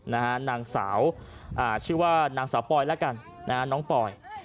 นางสาวชื่อว่านางสาวปอยแล้วกันนะฮะน้องปอย